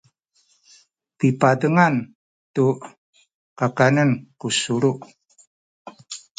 pipazengan tu kakanen ku sulu